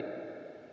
terima kasih pak